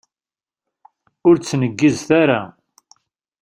Ur ttengizet ara!